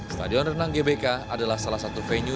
stadion renang gbk adalah salah satu venue